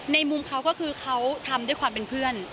มุมเขาก็คือเขาทำด้วยความเป็นเพื่อน